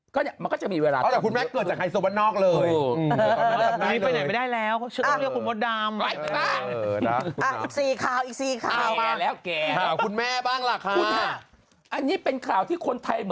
ก็จะมีเวลาเตียบ